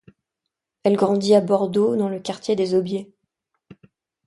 Elle grandit à Bordeaux, dans le quartier des Aubiers.